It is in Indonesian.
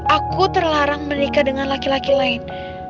aku terlarang menikah dengan laki laki lain